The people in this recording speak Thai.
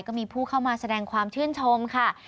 ก็มีผู้เข้ามาแสดงความชื่นชมค่ะ